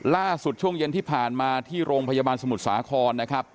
ช่วงเย็นที่ผ่านมาที่โรงพยาบาลสมุทรสาครนะครับ